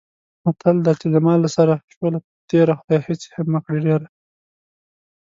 متل دی: چې زما له سره شوله تېره، خدایه هېڅ یې مه کړې ډېره.